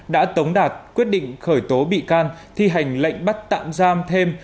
đã tống đạt quyết định khởi tố bị can thi hành lệnh bắt tạm giam thêm